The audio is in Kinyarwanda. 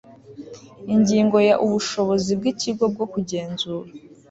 Ingingo ya Ubushobozi bw Ikigo bwo kugenzura